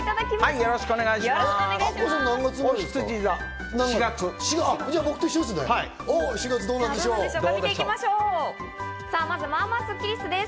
よろしくお願いします。